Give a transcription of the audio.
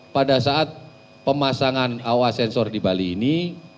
pada saat pemasangan awa sensor di bali ini